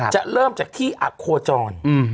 จะเริ่มจากที่อโคจร